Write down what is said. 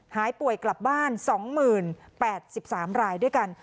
หายป่วยกลับบ้านสองหมื่นแปดสิบสามรายด้วยกัน